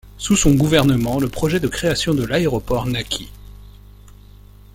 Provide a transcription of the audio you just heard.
Sous son gouvernement, le projet de création de l'aéroport naquit.